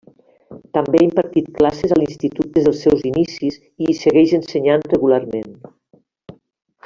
També ha impartit classes a l'institut des dels seus inicis i hi segueix ensenyant regularment.